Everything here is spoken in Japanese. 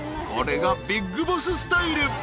［これがビッグボススタイル］